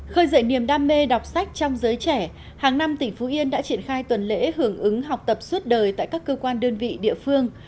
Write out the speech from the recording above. khơi dậy niềm đam mê đọc sách trong giới trẻ hàng năm tỉnh phú yên đã triển khai tuần lễ hưởng ứng học tập suốt đời tại các cơ quan đơn vị địa phương